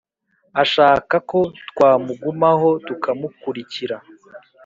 Ashaka ko twamugumaho, Tukamuku rikira